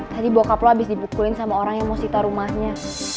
tadi bokap lo habis dipukulin sama orang yang mau sitar rumahnya